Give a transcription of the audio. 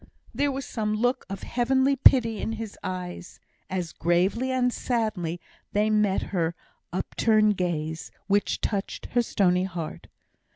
There was some look of heavenly pity in his eyes, as gravely and sadly they met her upturned gaze, which touched her stony heart.